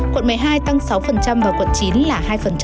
quận một mươi hai tăng sáu và quận chín là hai